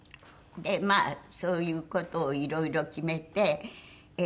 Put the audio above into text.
まあそういう事をいろいろ決めて。